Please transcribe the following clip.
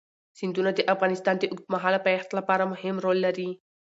سیندونه د افغانستان د اوږدمهاله پایښت لپاره مهم رول لري.